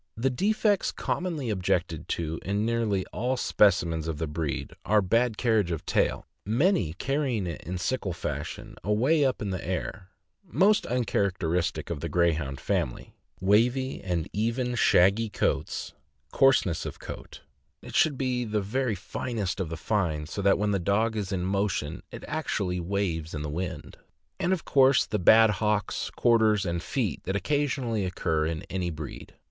The defects commonly objected to in nearly all specimens of the breed are bad carriage of tail, many carrying it in sickle fashion away up in the air — most un characteristic of the Greyhound family; wavy and even shaggy coats, coarseness of coat (it should be the very finest of the fine, so that when the dog is in motion it actually waves in the wind), and of course the bad hocks, quarters, and feet that occasionally occur in any breed.